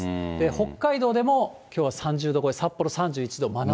北海道でもきょうは３０度超え、札幌３１度、真夏日。